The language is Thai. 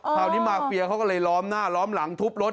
คราวนี้มาเฟียเขาก็เลยล้อมหน้าล้อมหลังทุบรถ